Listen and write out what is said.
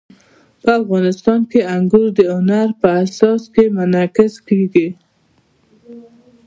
افغانستان کې انګور د هنر په اثار کې منعکس کېږي.